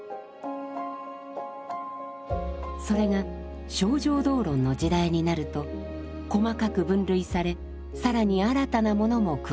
それが「清浄道論」の時代になると細かく分類され更に新たなものも加わります。